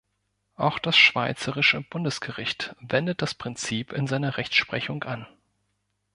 Auch das Schweizerische Bundesgericht wendet das Prinzip in seiner Rechtsprechung an.